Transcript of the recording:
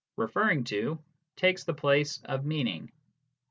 37 " referring to " takes the place of " meaning."